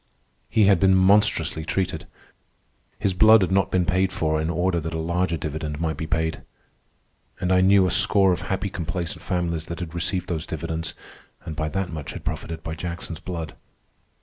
He had been monstrously treated. His blood had not been paid for in order that a larger dividend might be paid. And I knew a score of happy complacent families that had received those dividends and by that much had profited by Jackson's blood.